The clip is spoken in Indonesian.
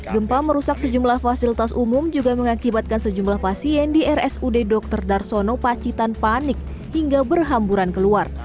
gempa merusak sejumlah fasilitas umum juga mengakibatkan sejumlah pasien di rsud dr darsono pacitan panik hingga berhamburan keluar